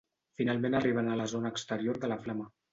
Finalment arriben a la zona exterior de la flama.